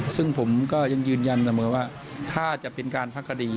ซึ่งผมก็ยังยืนยันเสมอว่าถ้าจะเป็นการพักคดี